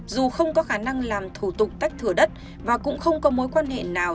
dù không có khả năng làm thủ tục tách thửa đất và cũng không có mối quan hệ nào